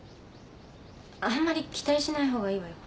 あんまり期待しないほうがいいわよ。